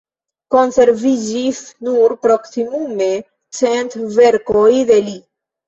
Konserviĝis nur proksimume cent verkoj de li.